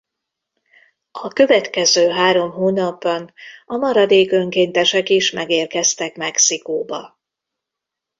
A következő három hónapban a maradék önkéntesek is megérkeztek Mexikóba.